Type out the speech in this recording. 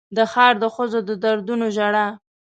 د ښار د ښځو د دردونو ژړا